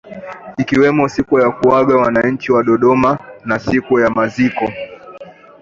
Ikiwemo siku ya kuaga wananchi wa dodoma na siku ya maziko